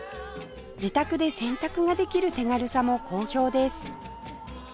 自宅で洗濯ができる手軽さも好評です